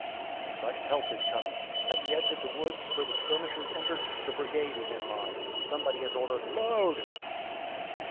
But help is coming. At the edge of the woods, where the skirmishers entered, the brigade is in line. Somebody has ordered, "Load!"